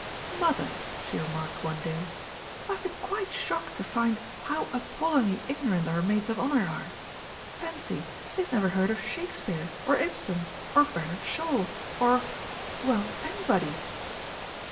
"Mother," she remarked one day, "I've been quite shocked to find how appallingly ignorant our Maids of Honour are. Fancy, they've never heard of Shakespeare, or Ibsen, or Bernard Shaw, or well, anybody!"